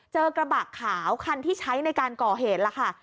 เจอกระบะขาวคันที่ใช้ในการก่อเหตุล่ะค่ะ